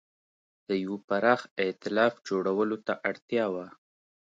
د یوه پراخ اېتلاف جوړولو ته اړتیا وه.